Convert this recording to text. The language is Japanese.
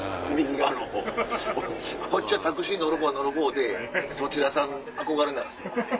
タクシー乗るほう乗るほうでそちらさん憧れなんですよ